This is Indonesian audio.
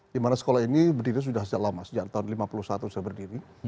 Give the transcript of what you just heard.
di mana sekolah ini berdiri sudah lama sejak tahun seribu sembilan ratus lima puluh satu sudah berdiri